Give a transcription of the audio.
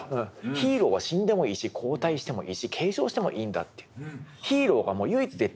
ヒーローは死んでもいいし交代してもいいし継承してもいいんだっていう。